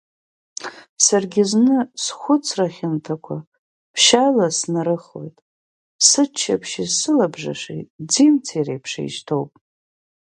Саргьы зны схәыцра хьанҭақәа ԥшьшьала снарыхоит, сыччаԥшьи сылабжыши ӡи-мцеи реиԥш еишьҭоуп.